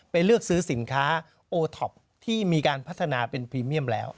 เลือกซื้อสินค้าโอท็อปที่มีการพัฒนาเป็นพรีเมียมแล้ว